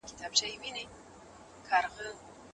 اسلام ښځو ته د پوهې فرصت ورکوي.